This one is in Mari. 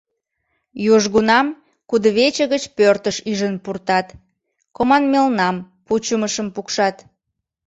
Южгунам кудывече гыч пӧртыш ӱжын пуртат, команмелнам, пучымышым пукшат.